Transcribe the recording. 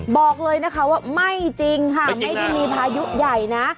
บอกเลยนะคะว่าไม่จริงค่ะไม่ได้มีพายุใหญ่นะ